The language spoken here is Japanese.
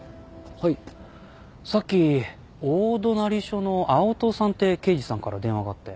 さっき大隣署の青砥さんって刑事さんから電話があって。